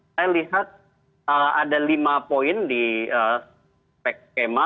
saya lihat ada lima poin di skema